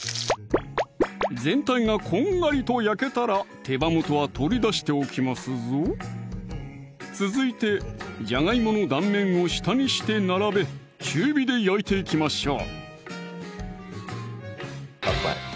全体がこんがりと焼けたら手羽元は取り出しておきますぞ続いてじゃがいもの断面を下にして並べ中火で焼いていきましょう